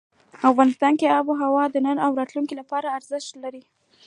افغانستان کې آب وهوا د نن او راتلونکي لپاره ارزښت لري.